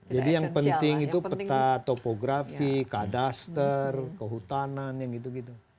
jadi yang penting itu peta topografi kadaster kehutanan yang gitu gitu